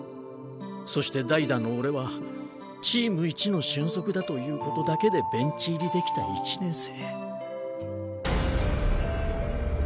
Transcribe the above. そして代打の俺はチームいちの俊足だという事だけでベンチ入りできた１年生。